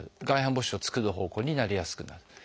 外反母趾を作る方向になりやすくなる。